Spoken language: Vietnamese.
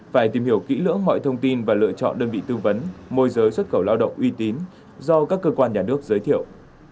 phải tìm hiểu kỹ lưỡng mọi thông tin và lựa chọn đơn vị tư vấn môi giới xuất khẩu lao động uy tín do các cơ quan nhà nước giới thiệu